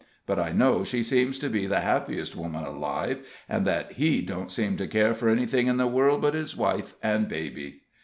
But I know she seems to be the happiest woman alive, and that he don't seem to care for anything in the world but his wife and baby.